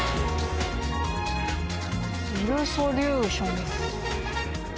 ビルソリューションズ。